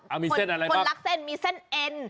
อ้าวมีเส้นอะไรป่ะคนรักเส้นมีเส้นเอ็น